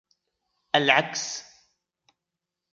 العكس